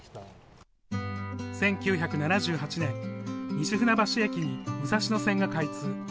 １９７８年、西船橋駅に武蔵野線が開通。